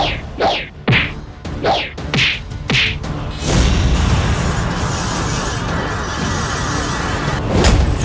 aku harus menolongnya